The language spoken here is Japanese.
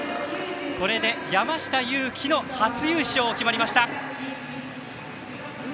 これで山下祐樹の初優勝が決まりました。